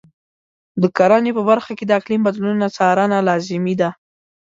د کرنې په برخه کې د اقلیم بدلونونو څارنه لازمي ده.